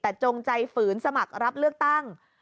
แต่จงใจฝืนสมัครรับเลือกตั้ง